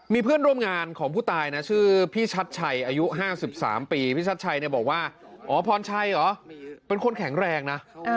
มีเพื่อนร่วมงานของผู้ตายนะชื่อพี่ชัดชัยอายุ๕๓ปีพี่ชัดชัยบอกว่าอ๋อพรชัยเหรอเป็นคนแข็งแรงนะ